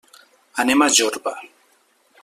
Anem a Jorba.